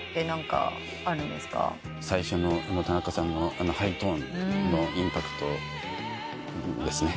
最初の田中さんのハイトーンのインパクトですね。